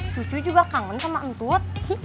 cucu juga kangen sama entut